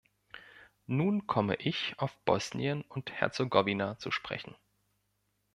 Nun komme ich auf Bosnien und Herzegowina zu sprechen.